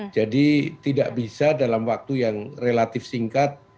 jadi tidak bisa dalam waktu yang relatif singkat